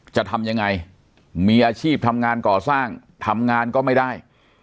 จะทำยังไงมีอาชีพทำงานก่อสร้างทำงานก็ไม่ได้